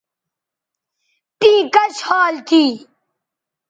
تیں کش حال تھی